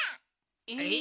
えっ？